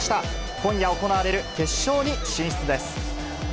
今夜行われる決勝に進出です。